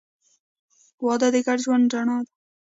• واده د ګډ ژوند رڼا ده.